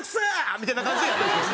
みたいな感じでやってるんですよ。